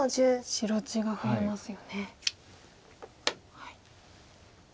白地が増えますよね。